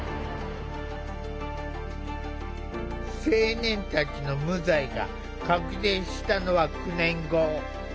青年たちの無罪が確定したのは９年後。